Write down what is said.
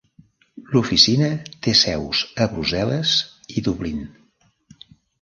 L'Oficina té seus a Brussel·les i Dublín.